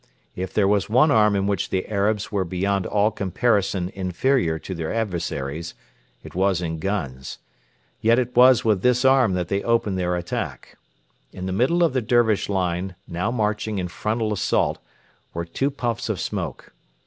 If there was one arm in which the Arabs were beyond all comparison inferior to their adversaries, it was in guns. Yet it was with this arm that they opened their attack. In the middle of the Dervish line now marching in frontal assault were two puffs of smoke.